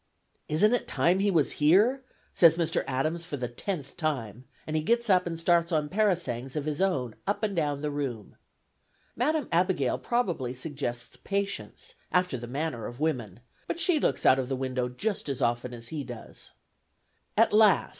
"Isn't it time he was here?" says Mr. Adams for the tenth time; and he gets up and starts on parasangs of his own up and down the room. Madam Abigail probably suggests patience, after the manner of women, but she looks out of window just as often as he does. At last!